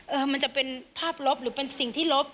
มันจะเป็นภาพลบหรือเป็นสิ่งที่ลบ